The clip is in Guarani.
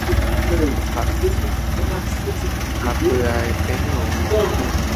Ha pya'épema ou